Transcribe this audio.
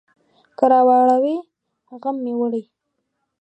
که راواړوي، غم مې وړي.